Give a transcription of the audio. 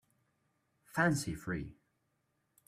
Fancy-free